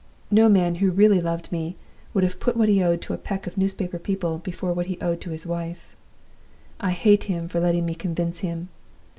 No man who really loved me would have put what he owed to a peck of newspaper people before what he owed to his wife. I hate him for letting me convince him!